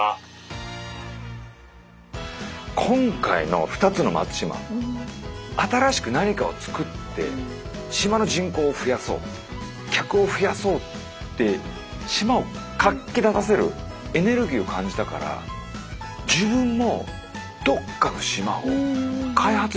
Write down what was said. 今回の２つの松島新しく何かを作って島の人口を増やそう客を増やそうって島を活気立たせるエネルギーを感じたから自分もすごい分かります。